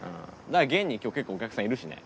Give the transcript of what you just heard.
現に今日結構お客さんいるしね